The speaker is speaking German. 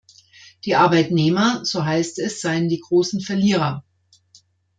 Die Arbeitnehmer, so heißt es, seien die großen Verlierer.